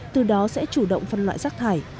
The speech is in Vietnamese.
từ đó sẽ chủ động phân loại rac thải